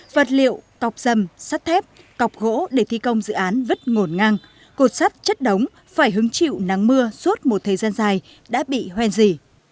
vật liệu cọc dầm sắt thép cọc gỗ để thi công dự án vứt ngổn ngang cột sắt chất đống phải hứng chịu nắng mưa suốt một thời gian dài đã bị hoen dỉ